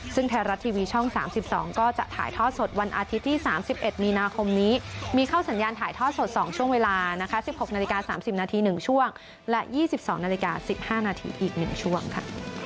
ซึ่งไทยรัฐทีวีช่อง๓๒ก็จะถ่ายทอดสดวันอาทิตย์ที่๓๑มีนาคมนี้มีเข้าสัญญาณถ่ายทอดสด๒ช่วงเวลานะคะ๑๖นาฬิกา๓๐นาที๑ช่วงและ๒๒นาฬิกา๑๕นาทีอีก๑ช่วงค่ะ